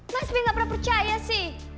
mas by gak pernah percaya sih